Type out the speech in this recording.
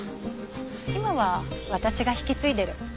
今は私が引き継いでる。